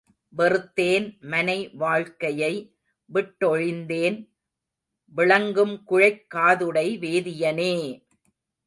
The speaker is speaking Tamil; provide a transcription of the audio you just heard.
வெறுத்தேன், மனை வாழ்க்கையை விட்டொழிந்தேன், விளங்கும் குழைக் காதுடை வேதியனே!